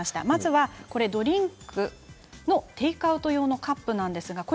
まずは、ドリンクのテイクアウト用カップです。